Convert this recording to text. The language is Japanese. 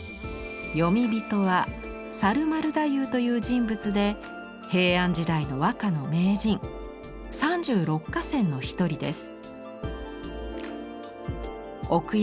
詠み人は猿丸太夫という人物で平安時代の和歌の名人三十六歌仙の一人です。